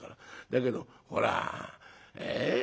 だけどほらええ？